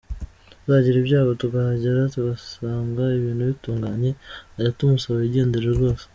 Uzagira ibyago tukahagera tugasanga ibintu ntibitunganye, tuzajya tumusaba yigendere rwose.